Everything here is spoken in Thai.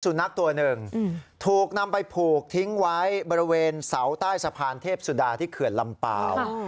สุนัขตัวหนึ่งถูกนำไปผูกทิ้งไว้บริเวณเสาใต้สะพานเทพสุดาที่เขื่อนลำเปล่า